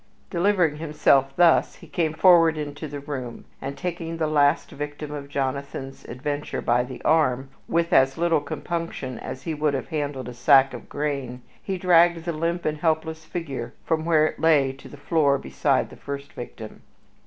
Delivering himself thus, he came forward into the room, and, taking the last victim of Jonathan's adventure by the arm, with as little compunction as he would have handled a sack of grain he dragged the limp and helpless figure from where it lay to the floor beside the first victim.